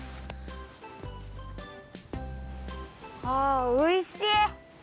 あおいしい。